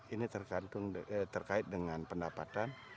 ini terkait dengan pendapatan